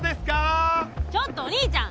ちょっとお兄ちゃん！